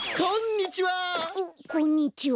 こんにちは！